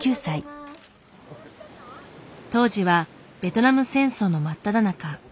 当時はベトナム戦争の真っただ中。